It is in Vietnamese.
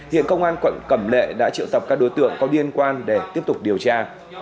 hiện công an quận cẩm lệ đã triệu tập các đối tượng có liên quan để tiếp tục điều tra